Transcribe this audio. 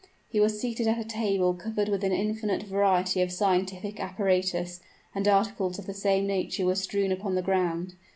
He was seated at a table covered with an infinite variety of scientific apparatus; and articles of the same nature were strewed upon the ground.